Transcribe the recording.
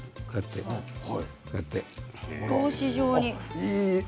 格子状に。